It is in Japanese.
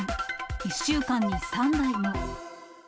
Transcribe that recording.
１週間に３台も。